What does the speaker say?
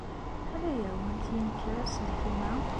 Acḥal ay awent-d-yenker uselkim-a?